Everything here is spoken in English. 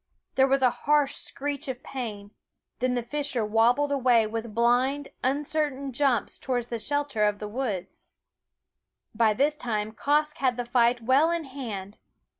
There was a harsh screech of pain; then the fisher wobbled away with blind, uncertain jumps towards the shelter of the woods. By this time Quoskh had the fight well in hand.